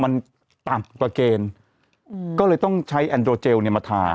มันต่ำประเทศก็เลยต้องใช่อันโดเจลเนี่ยมารอง